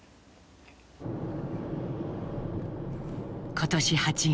今年８月。